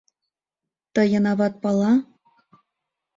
Тыйын ават пала?